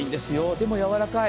でもやわらかい。